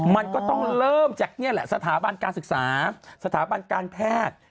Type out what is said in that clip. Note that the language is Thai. มันก็ต้องเริ่มจากนี่แหละสถาบันการศึกษาสถาบันการแพทย์